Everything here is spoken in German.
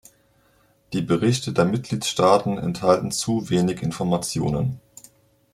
Die Berichte der Mitgliedstaaten enthalten zu wenig Informationen.